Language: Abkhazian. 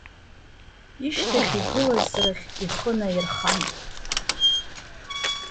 Ишьҭахь игылаз рахь ихы наирхан.